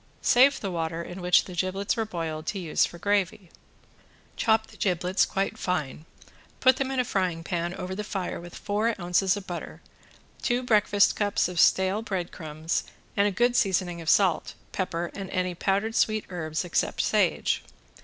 Save the water in which the giblets were boiled to use for gravy. Chop the giblets quite fine, put them in a frying pan over the fire with four ounces of butter, two breakfast cups of stale breadcrumbs and a good seasoning of salt, pepper and any powdered sweet herbs except sage.